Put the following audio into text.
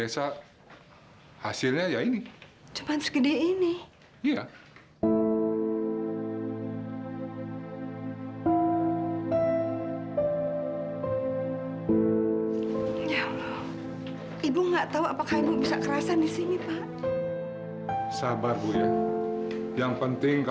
sampai jumpa di video selanjutnya